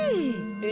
え！